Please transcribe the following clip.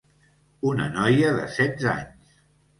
Una noia de setze anys.